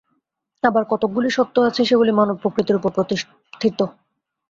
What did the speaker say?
আবার কতকগুলি সত্য আছে, সেগুলি মানবপ্রকৃতির উপর প্রতিষ্ঠিত।